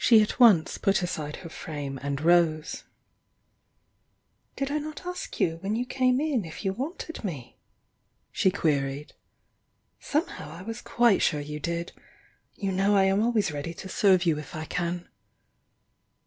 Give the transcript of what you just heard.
She at once put aside her frame and rose. "Did I not ask you when you came in if you wanted mc?" she queried. "Somehow I was quite sure you did! You know I am always ready to serve you if I can."